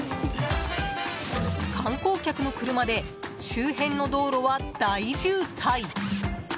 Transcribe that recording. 観光客の車で周辺の道路は大渋滞。